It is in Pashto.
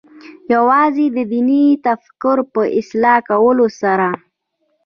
یوازې د دیني تفکر په اصلاح کولو سره.